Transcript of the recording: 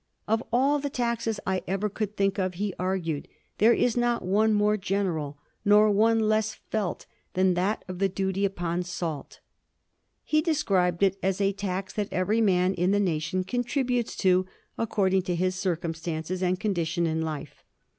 * Of all the taxes I ever could think of,' he argued, * there is not one more general, nor one less felt, than that of the duty upon salt.' He described it as a ' tax that every man in the nation contributes to according to his circumstances and condition in life.'